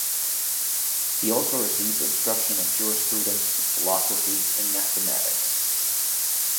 He also received instruction in jurisprudence, philosophy, and mathematics.